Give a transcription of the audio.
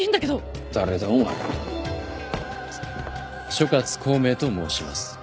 諸葛孔明と申します。